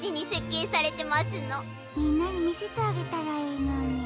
みんなにみせてあげたらいいのに。